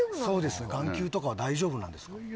そうですよね眼球とかは大丈夫なんですか？